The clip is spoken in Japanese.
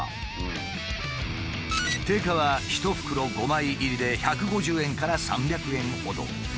定価は１袋５枚入りで１５０円から３００円ほど。